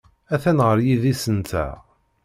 Atan ɣer yidis-nteɣ.